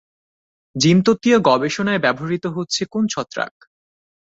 জিনতত্ত্বীয় গবেষণায় ব্যবহৃত হচ্ছে কোন ছত্রাক?